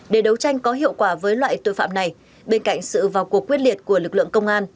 để đấu tranh có hiệu quả với loại tội phạm này bên cạnh sự vào cuộc quyết liệt của lực lượng công an